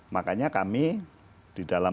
makanya kami di dalam